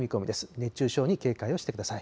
熱中症に警戒をしてください。